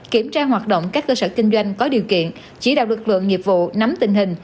kiểm tra hoạt động các cơ sở kinh doanh có điều kiện chỉ đạo lực lượng nghiệp vụ nắm tình hình